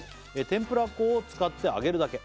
「天ぷら粉を使って揚げるだけ」